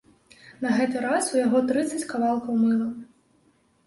На гэты раз у яго трыццаць кавалкаў мыла.